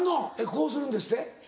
こうするんですって？